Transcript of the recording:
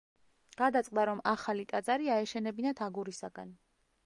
გადაწყდა, რომ ახალი ტაძარი აეშენებინათ აგურისაგან.